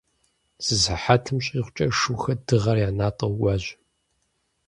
Зы сыхьэтым щӀигъукӀэ шухэр дыгъэр я натӀэу кӀуащ.